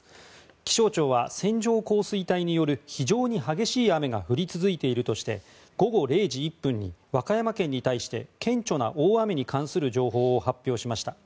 気象庁は線状降水帯による非常に激しい雨が降り続いているとして午後０時１分に和歌山県に対して顕著な大雨に関する情報を発表しました。